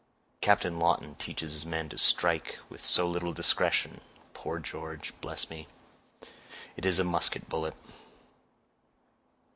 Captain Lawton teaches his men to strike with so little discretion—poor George—bless me, it is a musket bullet."